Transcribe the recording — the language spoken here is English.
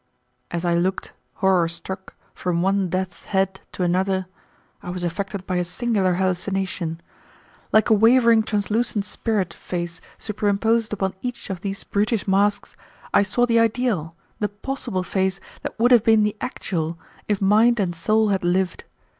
As I looked, horror struck, from one death's head to another, I was affected by a singular hallucination. Like a wavering translucent spirit face superimposed upon each of these brutish masks I saw the ideal, the possible face that would have been the actual if mind and soul had lived.